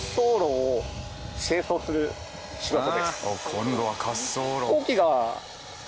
今度は滑走路。